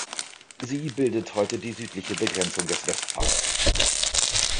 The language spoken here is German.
Sie bildet heute die südliche Begrenzung des Westparks.